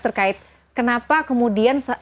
terkait kenapa kemudian